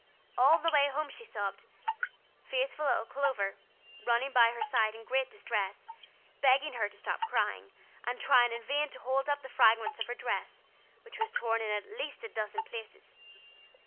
All the way home she sobbed; faithful little Clover, running along by her side in great distress, begging her to stop crying, and trying in vain to hold up the fragments of her dress, which was torn in, at least, a dozen places.